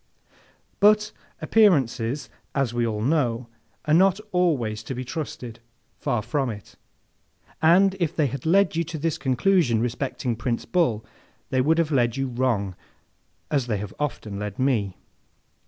But, appearances, as we all know, are not always to be trusted—far from it; and if they had led you to this conclusion respecting Prince Bull, they would have led you wrong as they often have led me.